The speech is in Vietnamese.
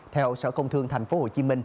theo sở công thương tp hcm